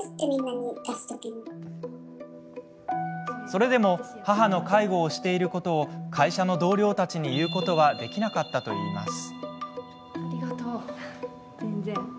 それでも母の介護をしていることを会社の同僚たちに言うことはできなかったといいます。